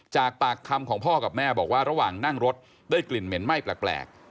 จากปากคำของพ่อกับแม่บอกว่าระหว่างนั่งรถได้กลิ่นเหม็นไหม้แปลก